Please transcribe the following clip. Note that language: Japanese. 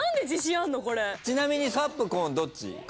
ちなみにカップコーンどっち？